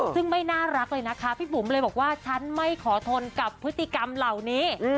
ซึ่งไม่น่ารักเลยนะคะพี่บุ๋มเลยบอกว่าฉันไม่ขอทนกับพฤติกรรมเหล่านี้